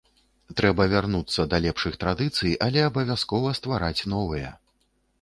Трэба вярнуцца да лепшых традыцый, але абавязкова ствараць новыя.